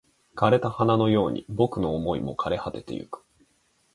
枯れた花のように僕の想いも枯れ果ててゆく